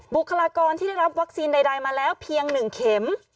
บุคลากรที่ได้รับวัคซีนใดมาแล้วเพียง๑เข็ม